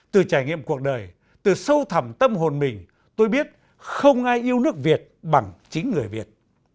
từ trải nghiệm cuộc đời từ sâu thẳm tâm hồn mình tôi biết không ai yêu nước việt bằng chính người việt